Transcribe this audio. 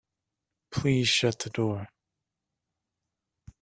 Please shut the door.